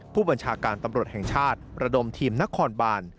ผู้บัญชาการตำรวจแห่งชาติระดมทีมนครบาน